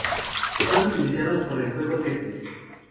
Son los utilizados por el juego "Tetris".